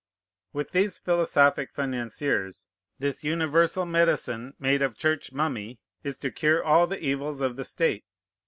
With these philosophic financiers, this universal medicine made of Church mummy is to cure all the evils of the state.